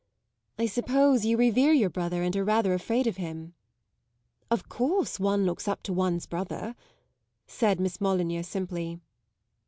"I suppose you revere your brother and are rather afraid of him." "Of course one looks up to one's brother," said Miss Molyneux simply.